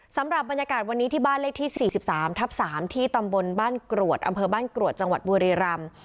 สำหรับบรรยากาศวันนี้ที่บ้านเลขที่๔๓ทับ๓ที่ตำบลบ้านกรวดอำเภอบ้านกรวดจังหวัดบุรีรำ